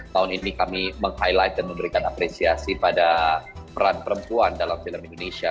tahun ini kami meng highlight dan memberikan apresiasi pada peran perempuan dalam film indonesia